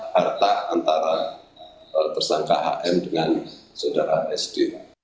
harta antara tersangka hm dengan saudara sd